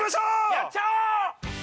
やっちゃおう！